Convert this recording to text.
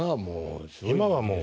今はもう。